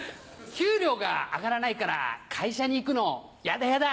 給料が上がらないから会社に行くのやだやだ。